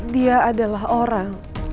dia adalah orang